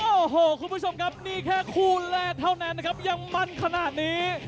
โอ้โหคุณผู้ชมครับนี่แค่คู่แรกเท่านั้นนะครับยังมั่นขนาดนี้